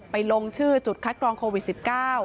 ลงชื่อจุดคัดกรองโควิด๑๙